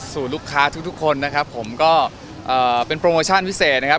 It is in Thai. ลูกค้าทุกทุกคนนะครับผมก็เอ่อเป็นโปรโมชั่นพิเศษนะครับ